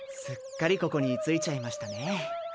すっかりここに居ついちゃいましたね。